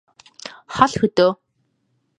хол хөдөө